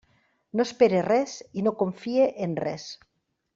No espere res i no confie en res.